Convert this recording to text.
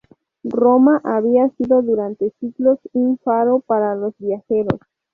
Roma había sido durante siglos un faro para los viajeros.